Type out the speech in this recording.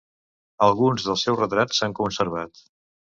Alguns dels seus retrats s'han conservat.